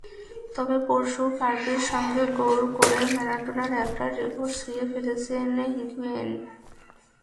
তবে পরশু কারপির সঙ্গে গোল করে ম্যারাডোনার একটা রেকর্ড ছুঁয়ে ফেলেছেন হিগুয়েইন।